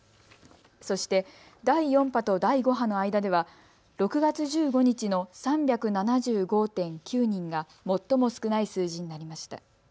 そして、第４波と第５波の間では６月１５日の３７５．９人が最も少ない数字になりました。